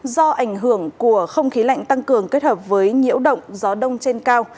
do ảnh hưởng của không khí lạnh tăng cường kết hợp với nhiễu động gió đông trên cao